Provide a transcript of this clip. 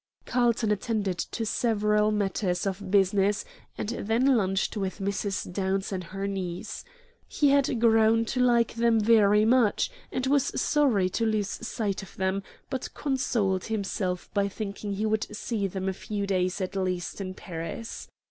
Carlton attended to several matters of business, and then lunched with Mrs. Downs and her niece. He had grown to like them very much, and was sorry to lose sight of them, but consoled himself by thinking he would see them a few days at least in Paris.